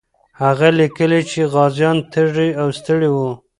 هغه لیکي چې غازیان تږي او ستړي وو.